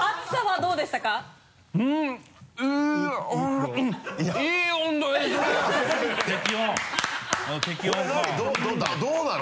どうなの？